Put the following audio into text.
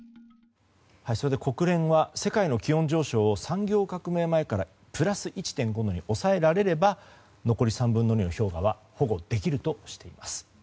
国連は世界の気温上昇を産業革命前からプラス１．５に抑えられれば残り３分の２の氷河は保護できるとしています。